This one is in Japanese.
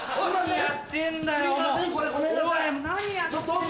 何やってんだよ。